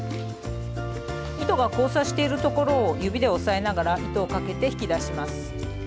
糸が交差しているところを指で押さえながら糸をかけて引き出します。